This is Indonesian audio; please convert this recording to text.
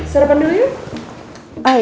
serepan dulu yuk